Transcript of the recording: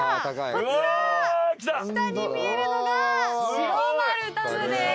こちら下に見えるのが白丸ダムです。